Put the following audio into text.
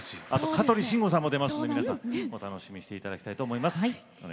香取慎吾さんも出ますのでお楽しみにしていただきたいと思います。